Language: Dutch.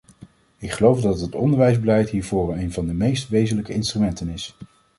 Ik geloof dat het onderwijsbeleid hiervoor een van de meest wezenlijke instrumenten is.